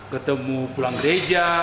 ketemu pulang gereja